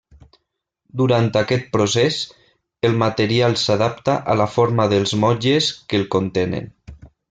Durant aquest procés, el material s'adapta a la forma dels motlles que el contenen.